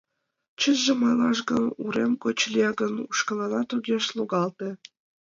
Чынжым ойлаш гын, урем гоч лӱа гын, ушкалланат огеш логалте.